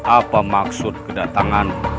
apa maksud kedatangan